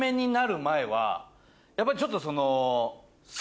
やっぱりちょっとその。